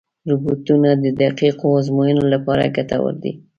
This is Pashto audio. روبوټونه د دقیقو ازموینو لپاره ګټور دي.